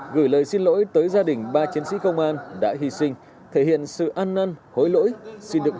gửi lời xin lỗi tới gia đình ba chiến sĩ công an đã hy sinh thể hiện sự an năn hối lỗi